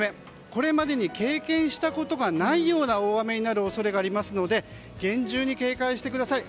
これまでに経験したことのないような大雨になる恐れがありますので厳重に警戒してください。